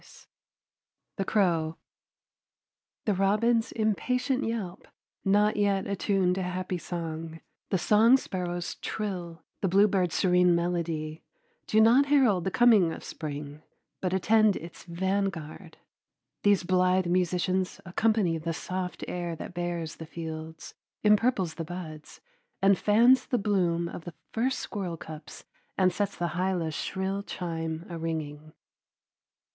IV THE CROW The robin's impatient yelp not yet attuned to happy song, the song sparrow's trill, the bluebird's serene melody, do not herald the coming of spring, but attend its vanguard. These blithe musicians accompany the soft air that bares the fields, empurples the buds, and fans the bloom of the first squirrelcups and sets the hyla's shrill chime a ringing.